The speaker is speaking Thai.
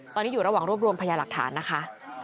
ตอนนี้อยู่ระหว่างรวบรวมพยาหลักฐานนะคะ